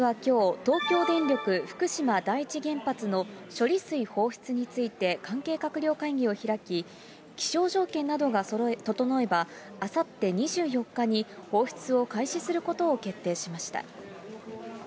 政府はきょう、東京電力福島第一原発の処理水放出について関係閣僚会議を開き、気象条件などが整えば、あさって２４日に放出を開始することを決定しました。